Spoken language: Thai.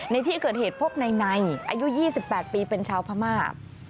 ในที่เกิดเหตุพบในอายุ๒๘ปีเป็นชาวพม่า